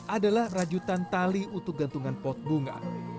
adalah rajutan tali untuk gantungan pot bunga